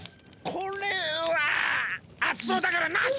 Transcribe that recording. これはあつそうだからなし！